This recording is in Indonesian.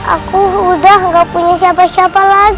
aku udah gak punya siapa siapa lagi